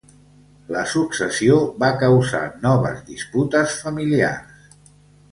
La successió va causar noves disputes familiars.